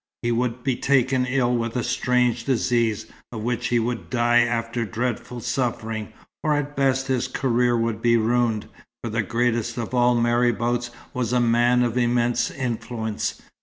He would be taken ill with a strange disease, of which he would die after dreadful suffering; or at best his career would be ruined; for the greatest of all marabouts was a man of immense influence.